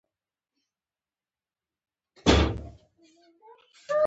پرله پسې ازمایښتونو یې د جوړښتونو تاریخ تایید کړ.